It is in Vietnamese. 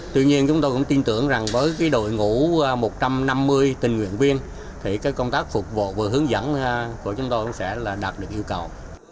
tuy nhiên chúng tôi cũng tin tưởng rằng với đội ngũ một trăm năm mươi tình nguyện viên thì công tác phục vụ và hướng dẫn của chúng tôi cũng sẽ đạt được yêu cầu